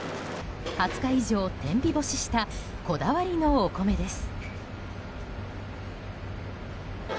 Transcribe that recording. ２０日以上、天日干ししたこだわりのお米です。